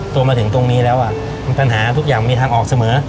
ตัวมาถึงตรงนี้แล้วปัญหาทุกอย่างมีทางออกเสมอ